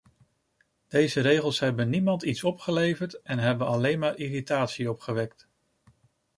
Deze regels hebben niemand iets opgeleverd en hebben alleen maar irritatie opgewekt.